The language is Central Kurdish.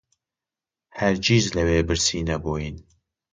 هەرگیز لەوێ برسی نەبووین